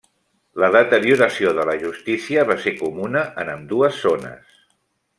La deterioració de la justícia va ser comuna en ambdues zones.